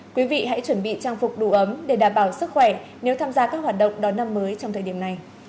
quý vị hãy chuẩn bị trang phục đủ ấm để đảm bảo sức khỏe nếu tham gia các hoạt động đón năm mới trong thời điểm này